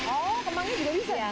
oh kemangi juga bisa